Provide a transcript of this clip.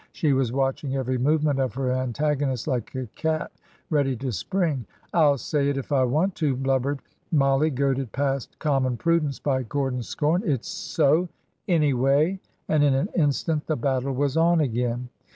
She was watching every movement of her antagonist like a cat ready to spring. '' I 'll say it if I want to," blubbered Mollie, goaded past common prudence by Gordon's scorn. It 's so, any way !" And in an instant the battle was on again.